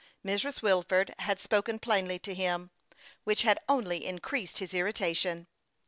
Mrs. Wilford had spoken plainly to him, which had only increased his irrita tion.